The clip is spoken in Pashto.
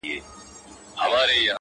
كوم لاسونه به مرۍ د قاتل نيسي٫